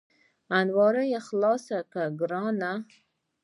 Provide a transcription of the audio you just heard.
المارۍ خلاصه کړه ګرانه !